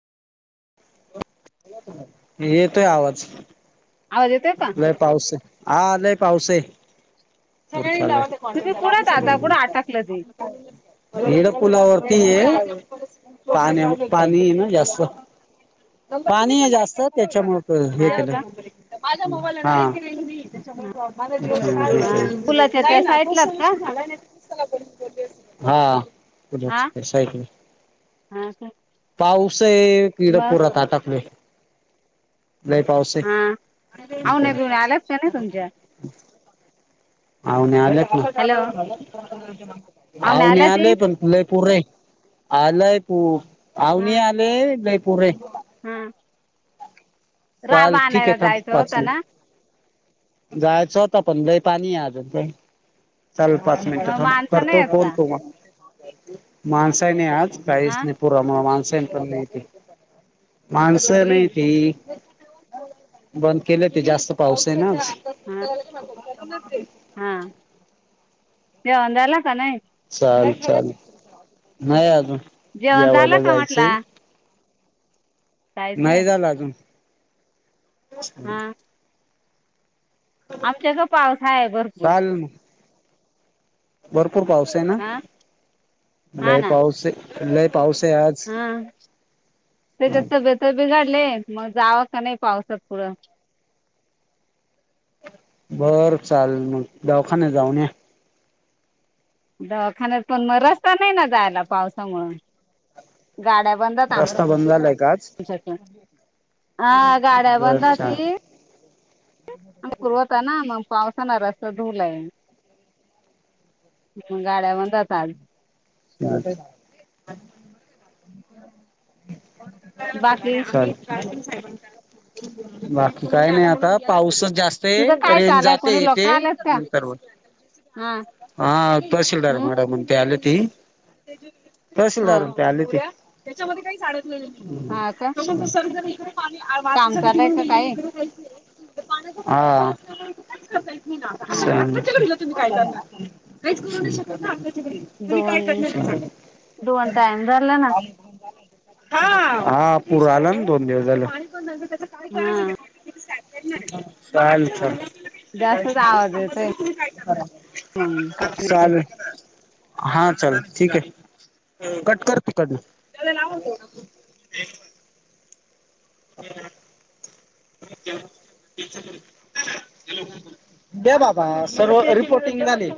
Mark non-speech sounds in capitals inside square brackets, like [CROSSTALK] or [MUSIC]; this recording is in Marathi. येतोय आवाज. आवाज येतोय का? लय पाऊस हे हा लय पाऊस आहे. ोल तुम्ही कुठं आता कुठं अटकलं ते हेड पुुलावरती ये [UNINTELLIGIBLE] पाण्या पाणी ना जास्त पाणी हे जास्त त्याच्यामुळे- हो हे हा केला का माझबा [UNINTELLIGIBLE] मला दि हा पुलाच्या नाही त्या ना तो साईडलात का सोल्युशन झालाय नाही [UNINTELLIGIBLE] हा हा पक [UNINTELLIGIBLE] [INAUDIBLE] हा का पाऊस हे. पीडा मग पोर ताटक नाही नाही पावस [UNINTELLIGIBLE] ह, आवण्या बिवण्या आल्यात, का नाही तुमच्या? ह [INAUDIBLE] आवण्या आल्यात हॅलो ना. आवण्या आवणी आल्या ते आले पण, लय पूरय आलय पूर आवनी आले- लईपूर [UNINTELLIGIBLE] हम्म. चाल ठीक आहे थांब, जायचं पाच होतं मिनिट. ना जायच होतं पण, लय पाणी आहे आज. चाल पाच मिनिट मग थांब माणसं नाही करतोय आहेत फोन, का तुम्हा माणस नाही, आज. काळीस हा नाही पुूर माणस पण नाही ती माणस मुली? नाही ती [UNINTELLIGIBLE] बंद केले ते जास्त पाऊस आहे ना. हा. हा, जेवण झाला का नाही? चाल, चाल, नाही अजून जेवण झालं जेवायला का म्हटला जायचंय. जायचंय नाही झालं अजून. हा आमच्याक पाऊस हाय भरपूर. चालेल मग. भरपूर पाऊस आहे ना, हा हा लय ना पाऊस आहे लय- पाऊस आहे आज हा हा. तर बिघाडले मग जाव का नाही, पावसात पुढं- बरं चालल मग दवाखान्यात जाऊन या. दवाखान्यात पण म रस्ता नाही ना, जायला पावसामुळे. गाड्या बंदात रस्ता बंद झालाय का आज आच्या [UNINTELLIGIBLE] हा गाड्या बर चाल बंदाती [UNINTELLIGIBLE] पूर्वता ना मग पावसान रस्ता धूला आहे. [UNINTELLIGIBLE] गाड्या बंद होतात आज [UNINTELLIGIBLE] हा का? बाकी चाल बाकी काय नाही आता. पाऊसच जास्त तय. तिथं काय रेंज चालय जाते येते. नंतर बोलतो. हां. हा तहशीलदार मॅडम न ते आली ती. हा तहशीलदार न ते आले ते. हं, हा का हं. काम चालय का काही हा. चालल, हा ठीके. दोन [INAUDIBLE] दोन टाइम झाला ना [UNINTELLIGIBLE] हा पूर आला ना दोन दिवस झालं. हा चालल चाल. जास्तच आवाज येतोय मग चालल. हा चल ठीके. कट कर तिकडन. [INAUDIBLE] द्या बाबा. सर्व रिपोर्टिंग झाली.